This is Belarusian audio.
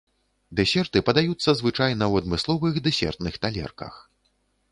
Дэсерты падаюцца звычайна ў адмысловых дэсертных талерках.